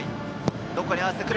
どこに合わせてくる？